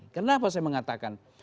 kenapa saya mengatakan